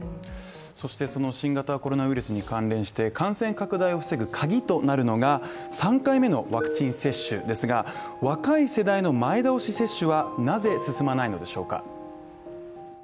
そしてその新型コロナウイルスに関連して感染拡大を防ぐ鍵となるのが３回目のワクチン接種ですが、若い世代の前倒し接種はなぜ進まないのでしょうか？